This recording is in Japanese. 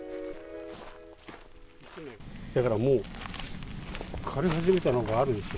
だからもう、枯れ始めたのがあるでしょ。